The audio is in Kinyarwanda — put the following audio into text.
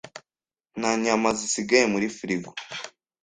Nta nyama zisigaye muri firigo.